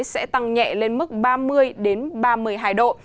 sẽ tăng nhẹ lên mức ba mươi ba mươi hai độ